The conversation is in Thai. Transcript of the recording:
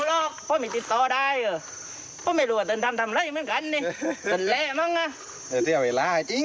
แล้วแล้วเติ้ลแซ่งหรอก